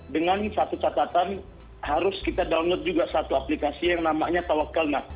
dengan satu catatan harus kita download juga satu aplikasi yang namanya tawakal